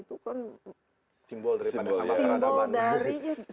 itu kan simbol simbol peradaban